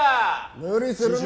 無理するな！